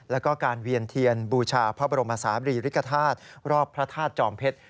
แล้วก็การเวียนเทียนบูชาพระบรมศาบรีริกฐาตุรอบพระธาตุจอมเพชร